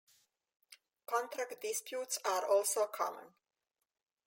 Contract disputes are also common.